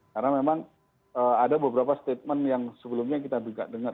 karena memang ada beberapa statement yang sebelumnya kita juga dengar